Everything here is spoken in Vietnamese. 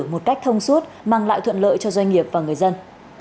một cách thông suốt mang lại thuận lợi cho doanh nghiệp và người dân